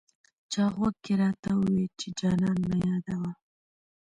چا غوږ کې راته وویې چې جانان مه یادوه.